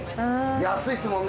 安いですもんね。